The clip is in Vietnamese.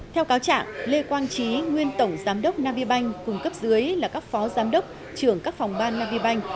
theo cáo trạng lê quang trí nguyên tổng giám đốc agribank cùng cấp dưới là các phó giám đốc trưởng các phòng ban nagibank